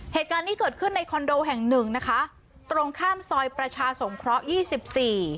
เหตุการณ์นี้เกิดขึ้นในคอนโดแห่งหนึ่งนะคะตรงข้ามซอยประชาสงเคราะหยี่สิบสี่